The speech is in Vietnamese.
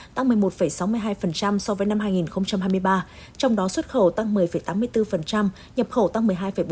tăng một mươi một sáu mươi hai so với năm hai nghìn hai mươi ba trong đó xuất khẩu tăng một mươi tám mươi bốn nhập khẩu tăng một mươi hai bốn